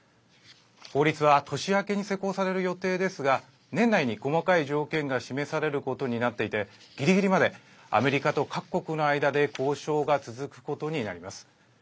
法律は年明けに施行される予定ですが年内に細かい条件が示されることになっていてぎりぎりまでアメリカと各国の間で交渉が続くことになります。